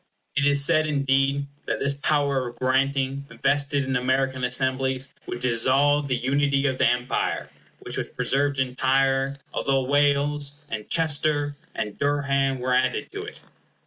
It is said, indeed, that this power of granting, vested in American Assemblies, would dissolve the unity of the Empire, which was preserved entire, although Wales, and Chester, and Durham were added to it.